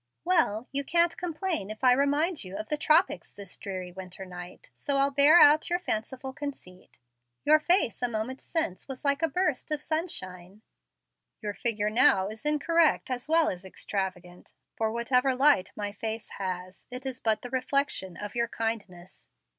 "Well, you can't complain if I remind you of the tropics this dreary winter night; so I'll bear out your fanciful conceit. Your face, a moment since, was like a burst of sunshine." "Your figure now is incorrect as well as extravagant; for, whatever light my face has, it is but the reflection of your kindness."